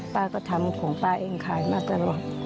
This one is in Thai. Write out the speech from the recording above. ป้าก็ทำของป้าเองขายมากกว่าหรอก